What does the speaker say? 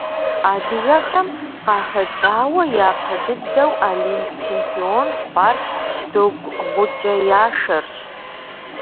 Адыгэхэм къахэкӀауэ япэ дыдэу Олимп чемпион хъуар Догу-ГъукӀэ Яшарщ.